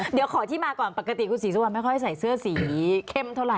เดี๋ยวขอที่มาก่อนปกติคุณศรีสุวรรณไม่ค่อยใส่เสื้อสีเข้มเท่าไห